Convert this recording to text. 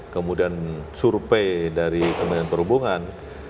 kemudian survei dari kementerian perhubungan